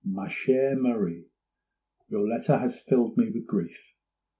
'Ma chère Marie—Your letter has filled me with grief.